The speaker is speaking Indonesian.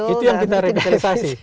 itu yang kita revitalisasi